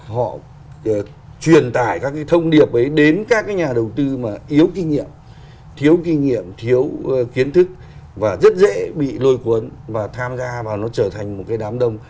họ truyền tải các thông điệp đến các nhà đầu tư mà yếu kinh nghiệm thiếu kinh nghiệm thiếu kiến thức và rất dễ bị lôi cuốn và tham gia vào nó trở thành một cái đám đông